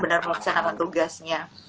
benar benar melaksanakan tugasnya